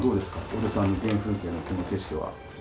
小津さんの原風景のこの景色は。